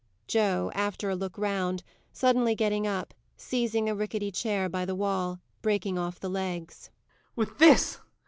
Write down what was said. JOE. [After a look round, suddenly getting up, seizing a ricketty chair by the wall, breaking off the legs.] With this!